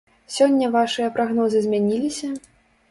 Сёння вашыя прагнозы змяніліся?